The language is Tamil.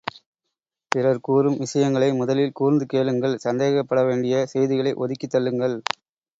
பிறர் கூறும் விஷயங்களை முதலில் கூர்ந்து கேளுங்கள் சந்தேகப்பட வேண்டிய செய்திகளை ஒதுக்கித் தள்ளுங்கள்.